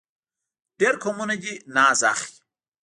ډېر قومونه دې ناز اخلي.